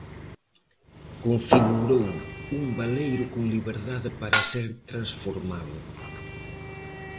Configurou un baleiro con liberdade para ser transformado.